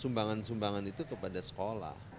sumbangan sumbangan itu kepada sekolah